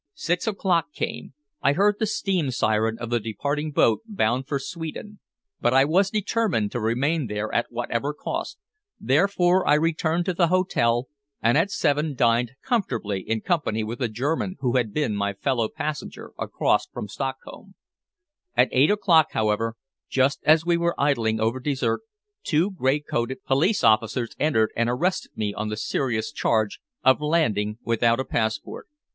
Six o'clock came. I heard the steam siren of the departing boat bound for Sweden, but I was determined to remain there at whatever cost, therefore I returned to the hotel, and at seven dined comfortably in company with a German who had been my fellow passenger across from Stockholm. At eight o'clock, however, just as we were idling over dessert, two gray coated police officers entered and arrested me on the serious charge of landing without a passport.